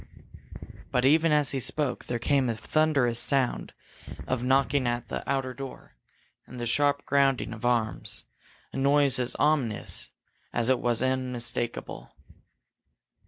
But even as he spoke, there came a thunderous sound of knocking at the outer door and the sharp grounding of arms a noise as ominous as it was unmistakable.